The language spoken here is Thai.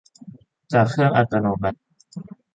จากเครื่องอัตโนมัติ